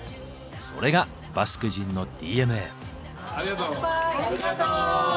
それがバスク人のＤＮＡ。